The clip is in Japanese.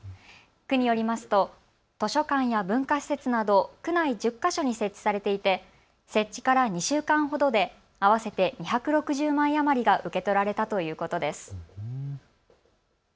区によりますと図書館や文化施設など区内１０か所に設置されていて設置から２週間ほどで合わせて２６０枚余りが受け取られたということです。